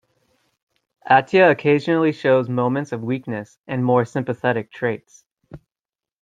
Atia occasionally shows moments of weakness and more sympathetic traits.